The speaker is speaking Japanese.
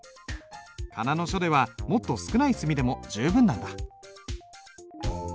仮名の書ではもっと少ない墨でも十分なんだ。